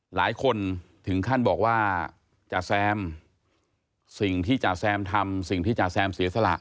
หลายคนถึงขั้นบอกว่าจ๋าแซมสิ่งที่จ๋าแซมทำสิ่งที่จ๋าแซมเสียสละ